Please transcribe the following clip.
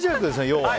要は。